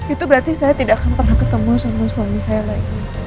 itu berarti saya tidak akan pernah ketemu sama suami saya lagi